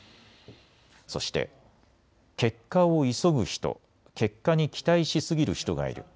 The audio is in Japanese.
そして、結果を急ぐ人、結果に期待しすぎる人がいる。